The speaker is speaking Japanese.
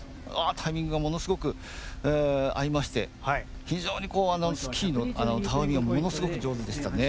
タイミングがものすごく合いまして非常にスキーのたわみがものすごく上手でしたね。